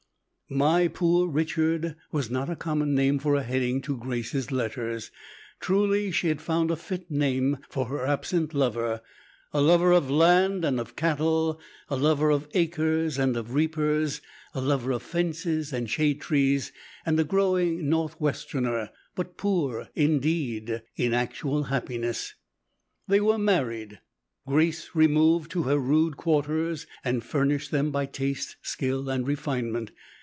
"My poor Richard" was not a common name for a heading to Grace's letters; truly she had found a fit name for her absent lover; a lover of land and of cattle, a lover of acres and of reapers, a lover of fences and shade trees, and a growing Northwesterner; but poor, indeed, in actual happiness. They were married; Grace removed to her rude quarters and furnished them by taste, skill, and refinement.